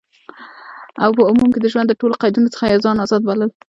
او په عموم کی د ژوند د ټولو قیدونو څخه یی ځان آزاد بلل،